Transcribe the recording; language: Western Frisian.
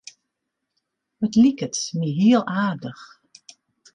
It liket my hiel aardich.